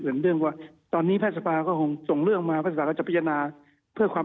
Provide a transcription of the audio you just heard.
เหมือนเรื่องว่าตอนนี้พระสภาพก็คงส่งเรื่องมาพระสภาพก็จะพิจารณาเพื่อความ